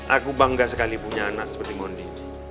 aku bangga sekali punya anak seperti mondi